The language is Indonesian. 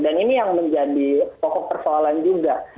dan ini yang menjadi pokok persoalan juga